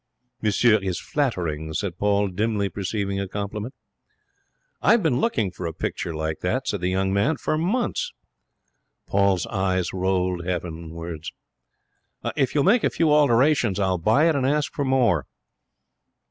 'Monsieur is flattering,' said Paul, dimly perceiving a compliment. 'I've been looking for a picture like that,' said the young man, 'for months.' Paul's eyes rolled heavenwards. 'If you'll make a few alterations, I'll buy it and ask for more.'